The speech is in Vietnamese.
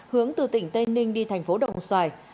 hướng từ tỉnh tây ninh đi thành phố đồng xoài